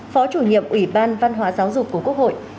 phó chủ nhiệm ủy ban văn hóa giáo dục của quốc hội